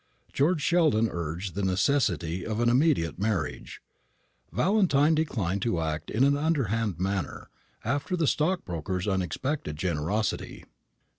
George Sheldon urged the necessity of an immediate marriage; Valentine declined to act in an underhand manner, after the stockbroker's unexpected generosity.